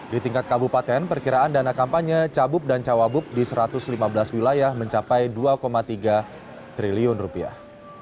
di tingkat kabupaten perkiraan dana kampanye cabub dan cawabub di satu ratus lima belas wilayah mencapai dua tiga triliun rupiah